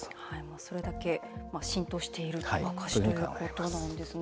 それだけ浸透している証しということなんですね。